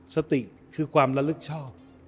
สติคือความละลึกชอบ